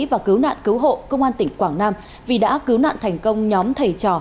và cứu nạn cứu hộ công an tỉnh quảng nam vì đã cứu nạn thành công nhóm thầy trò